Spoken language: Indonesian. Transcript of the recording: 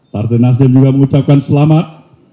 partai nasdem juga mengucapkan selamat